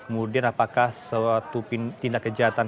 kemudian apakah suatu tindak kejahatan